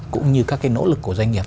cũng như các nỗ lực của doanh nghiệp